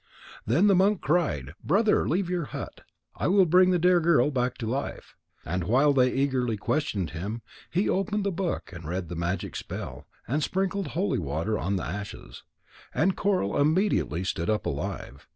Then the monk cried: "Brother, leave your hut. I will bring the dear girl back to life." And while they eagerly questioned him, he opened the book, and read the magic spell, and sprinkled holy water on the ashes. And Coral immediately stood up, alive.